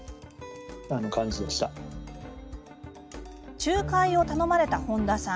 仲介を頼まれた本田さん。